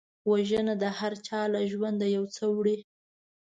وژنه د هرچا له ژونده یو څه وړي